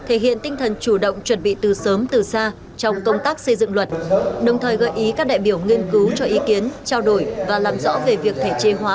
ubnd chủ động chuẩn bị từ sớm từ xa trong công tác xây dựng luật đồng thời gợi ý các đại biểu nghiên cứu cho ý kiến trao đổi và làm rõ về việc thể chế hóa